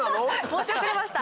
申し遅れました。